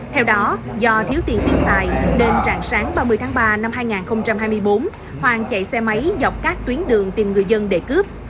theo đó do thiếu tiền tiêu xài nên rạng sáng ba mươi tháng ba năm hai nghìn hai mươi bốn hoàng chạy xe máy dọc các tuyến đường tìm người dân để cướp